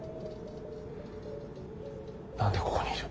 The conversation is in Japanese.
何でここにいる。